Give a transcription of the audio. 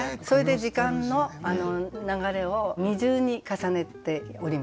それで時間の流れを二重に重ねております。